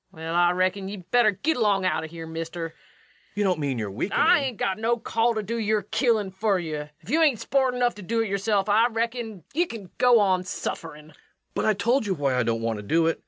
LUKE. Well, I reckon ye better git along out o' here, mister. REVENUE. You don't mean you're weakening? LUKE. I ain't got no call to do your killin' fer you. If ye hain't sport enough to do it yerself, I reckon ye kin go on sufferin'. REVENUE. But I told you why I don't want to do it.